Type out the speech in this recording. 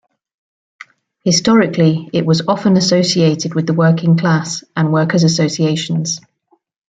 Historically, it was often associated with the working class and workers' associations.